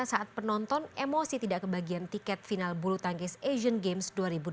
saat penonton emosi tidak kebagian tiket final bulu tangkis asian games dua ribu delapan belas